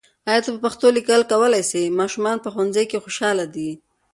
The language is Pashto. آیا ته په پښتو لیکل کولای سې؟ ماشومان په ښوونځي کې خوشاله دي.